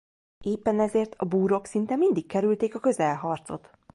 Éppen ezért a búrok szinte mindig kerülték a közelharcot.